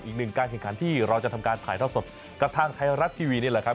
อีกหนึ่งการการที่เราจะทำการถ่ายทั่วสดกับทางทัยธรัตน์ทีวีนี่แหละครับ